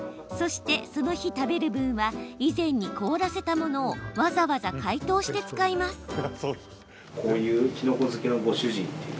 そして、その日食べる分は以前に凍らせたものをわざわざ解凍して使います。